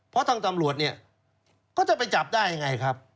เพราะทางตำรวจเนี่ยก็จะไปจับได้ยังไงครับ